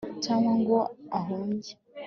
cyangwa ngo ahunge